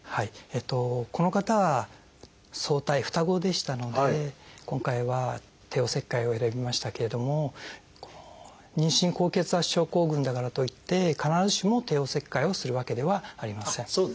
この方は双胎双子でしたので今回は帝王切開を選びましたけれども妊娠高血圧症候群だからといって必ずしも帝王切開をするわけではありません。